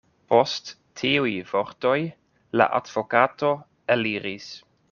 Post tiuj vortoj la advokato eliris.